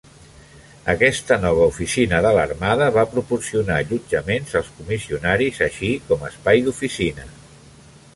Aquesta nova Oficina de l'Armada va proporcionar allotjament als Comissionaris, així com espai d'oficina.